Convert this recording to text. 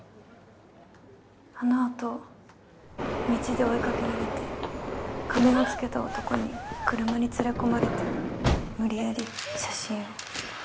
あのあと道で追いかけられて仮面をつけた男に車に連れ込まれて無理やり写真を。